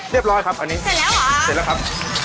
เรียบร้อยครับอันนี้เสร็จแล้วเหรอฮะเสร็จแล้วครับ